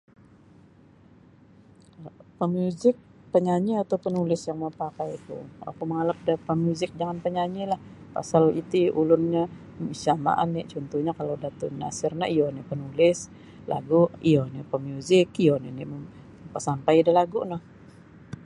Pamiuzik panyanyi atau panulis yang mapakaiku oku mangalap da pemiuzik jangan penyanyi lah pasal iti ulunnyo misama oni cuntuhnyo kalau Datuk M Nasir no iyo nio penulis lagu iyo nio pemiuzik iyo nini mapasampai da lagu no.